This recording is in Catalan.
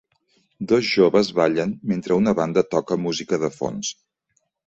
Dos joves ballen mentre una banda toca música de fons.